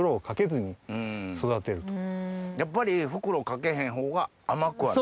やっぱり袋をかけへんほうが甘くはなる？